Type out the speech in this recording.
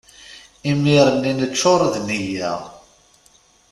Imir-nni neččur d nneyya.